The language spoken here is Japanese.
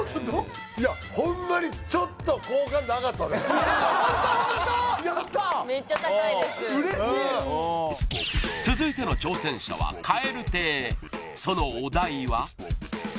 いやホンマにいやホントホントやっためっちゃ高いです嬉しい続いての挑戦者はそのお題は？